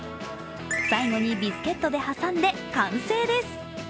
最後にビスケットで挟んで完成です。